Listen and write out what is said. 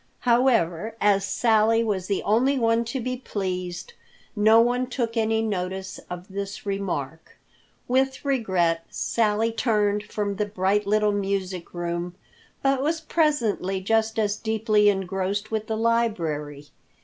However, as Sally was the only one to be pleased, no one took any notice of this remark. With regret Sally turned from the bright little music room, but was presently just as deeply engrossed with the library.